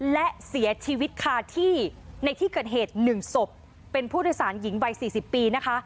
และเสียชีวิตคาที่ในที่เกิดเหตุ๑ศพเป็นผู้โดยสารหญิงวัย๔๐ปีนะคะ